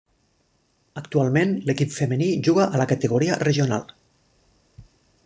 Actualment, l'equip femení juga a la categoria regional.